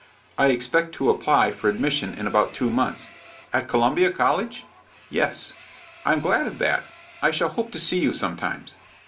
"I expect to apply for admission in about two months." "At Columbia College?" "Yes." "I am glad of that. I shall hope to see you sometimes."